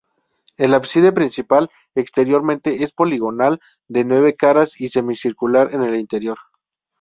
El ábside principal exteriormente es poligonal, de nueve caras y semicircular en el interior.